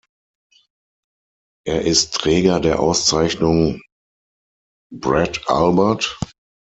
Er ist Träger der Auszeichnung „Brat Albert“.